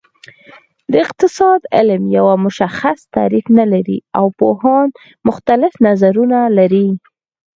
د اقتصاد علم یو مشخص تعریف نلري او پوهان مختلف نظرونه لري